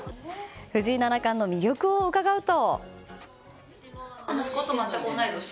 藤井七冠の魅力を伺うと。